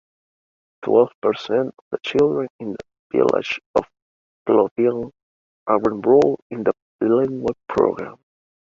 Twelve percent of the children in the village of Plouvien are enrolled in the bilingual program.